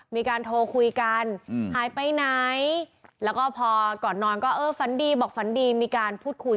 มีการโทรคุยกันหายไปไหนแล้วก็พอก่อนนอนก็เออฝันดีบอกฝันดีมีการพูดคุย